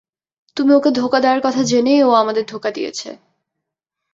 তুমি ওকে ধোঁকা দেয়ার কথা জেনেই ও আমাদের ধোঁকা দিয়েছে।